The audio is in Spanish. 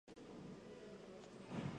Me encontraba en el club de los perdedores".